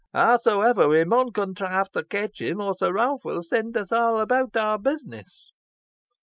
"Howsomever we mun contrive to ketch him, or Sir Roaph win send us aw abowt our business.